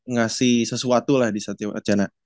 ngasih sesuatu lah di setiap wacana